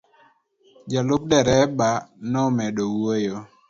Ja lup dereba ne omedo wuoyo.